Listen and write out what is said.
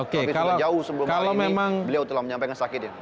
tapi sudah jauh sebelum hari ini beliau telah menyampaikan sakit